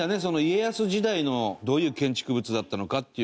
家康時代のどういう建築物だったのかっていう資料が。